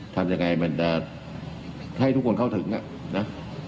ทำยังไงมันจะให้ทุกคนเข้าถึงนะ